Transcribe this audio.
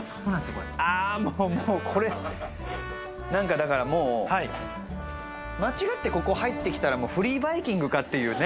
これあーもうもうこれ何かだからもう間違ってここ入ってきたらもうフリーバイキングかっていうね